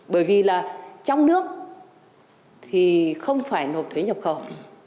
bởi vì là trong nước thì không phải nộp thuế nhập khẩu